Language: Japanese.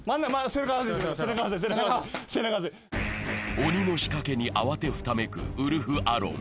鬼の仕掛けに慌てふためくウルフ・アロン。